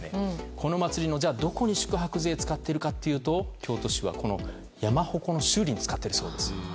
この祭りのどこに宿泊税を使っているかというと京都市は山鉾の修理に使っているそうです。